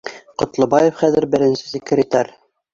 Ҡотлобаев хәҙер беренсе секретарь